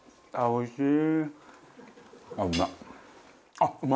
おいしい。